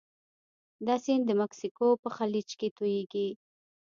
دا سیند د مکسیکو په خلیج کې تویږي.